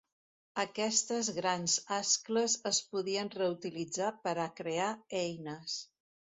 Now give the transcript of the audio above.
Aquestes grans ascles es podien reutilitzar per a crear eines.